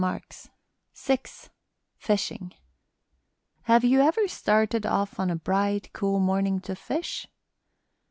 VI FISHING Have you ever started off on a bright, cool morning to fish?